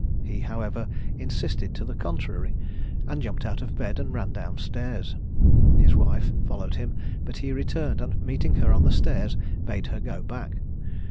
He, however, insisted to the contrary, and jumped out of bed, and ran down stairs. His wife followed him; but he returned, and meeting her on the stairs, bade her go back.